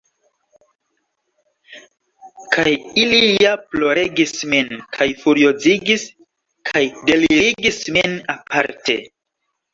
Kaj ili ja ploregis min kaj furiozigis kaj delirigis min, aparte.